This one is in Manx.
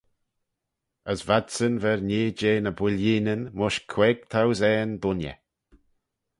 As v'adsyn v'er n'ee jeh ny bwilleenyn mysh queig thousane dooinney.